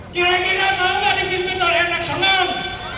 kira kira mau gak dikipin oleh anak senang